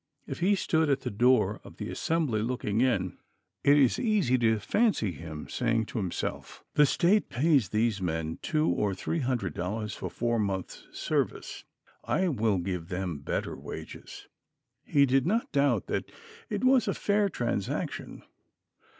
If he stood at the door of the Assembly looking in, it is easy to fancy him saying to himself, The State pays these men two or three hundred dollars for four months' service; I will give them better wages. He did not doubt that it was a fair transaction.